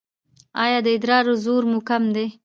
ایا د ادرار زور مو کم دی؟